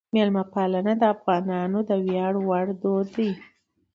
میلمهپالنه د افغانانو د ویاړ وړ دود دی.